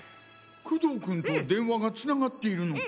工藤君と電話が繋がっているのか。